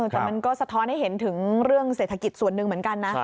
แต่มันก็สะท้อนให้เห็นถึงเรื่องเศรษฐกิจส่วนหนึ่งเหมือนกันนะ